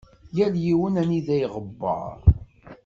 Yal yiwen anida iɣewweṛ.